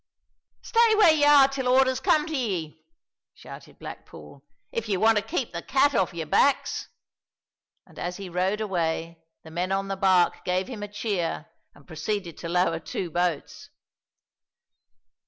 "Stay where ye are till orders come to ye," shouted Black Paul, "if ye want to keep the cat off your backs!" And as he rowed away the men on the bark gave him a cheer and proceeded to lower two boats.